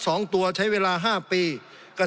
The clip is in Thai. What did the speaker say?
สงบจนจะตายหมดแล้วครับ